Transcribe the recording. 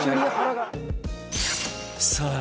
さあ